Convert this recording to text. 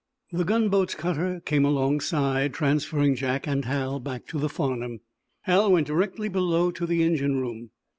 The gunboat's cutter came alongside, transferring Jack and Hal back to the "Farnum." Hal went directly below to the engine room.